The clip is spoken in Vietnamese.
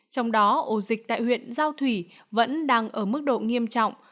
trong đó ổ dịch tại huyện giao thủy vẫn đang ở mức độ nghiêm trọng